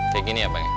kayak gini ya bang